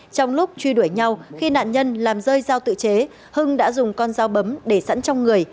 trong lúc truy đuổi nhau khi nạn nhân làm rơi giao tự chế hưng đã dùng con dao bấm để sẵn trong người